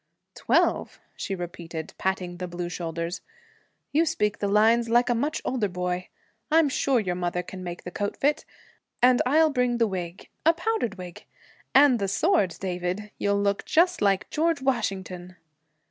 'Twelve?' she repeated, patting the blue shoulders. 'You speak the lines like a much older boy. I'm sure your mother can make the coat fit, and I'll bring the wig a powdered wig and the sword, David! You'll look just like George Washington!'